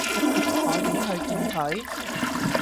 我點去見佢？